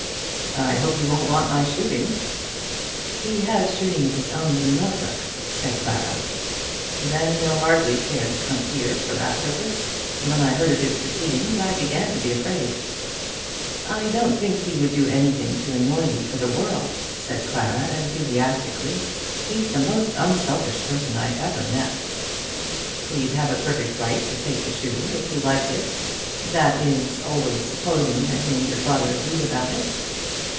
"I hope he won't want my shooting." "He has shooting of his own in Norfolk," said Clara. "Then he'll hardly care to come here for that purpose. When I heard of his proceedings I began to be afraid." "I don't think he would do anything to annoy you for the world," said Clara, enthusiastically. "He's the most unselfish person I ever met." "He'd have a perfect right to take the shooting if he liked it, that is always supposing that he and your father agreed about it."